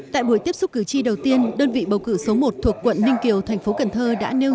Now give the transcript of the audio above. tại buổi tiếp xúc cử tri đầu tiên đơn vị bầu cử số một thuộc quận ninh kiều thành phố cần thơ đã nêu